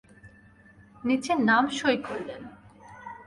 নিচে নাম সই করলেন।